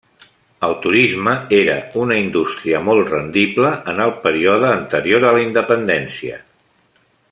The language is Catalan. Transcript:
El turisme era una indústria molt rendible en el període anterior a la independència.